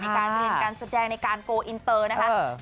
การเรียนการแสดงในการโกลอินเตอร์นะคะ